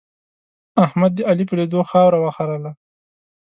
احمد د علي په لیدو خاوره وخرله.